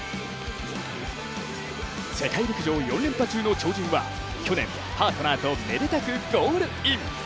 世界陸上４連覇中の超人は去年、パートナーとめでたくゴールイン。